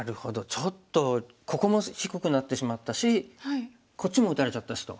ちょっとここも低くなってしまったしこっちも打たれちゃったしと。